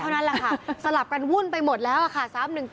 เท่านั้นแหละค่ะสลับกันวุ่นไปหมดแล้วค่ะ